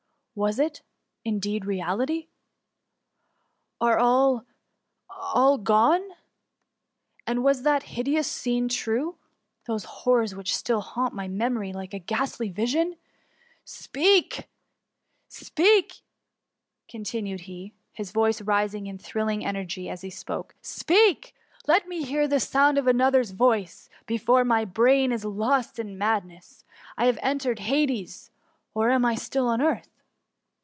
Was it^ indeed, reality ? Are all, all gone ? And was that hideous scene true ?— those horrors, which still haunt my memory like a ghastly vision ? Speak ! speak !^ conti S52 THE MUMMY. nued he, his Toice rising in thrilling energy tis he spoke —*^ speak ! let me hear the sound of another^s voice, before my brain is lost in mad ness. Have I entered Hades, or am I still on earth